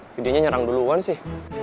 gede nya nyerang duluan sih